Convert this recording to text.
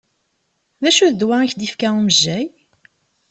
D acu n ddwa i k-d-ifka umejjay?